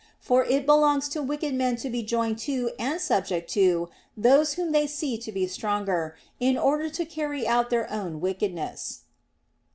For it belongs to wicked men to be joined to and subject to those whom they see to be stronger, in order to carry out their own wickedness.